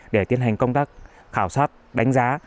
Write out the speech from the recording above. để tiến hành công tác khảo sát đánh giá